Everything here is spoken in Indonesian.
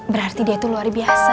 berarti dia itu luar biasa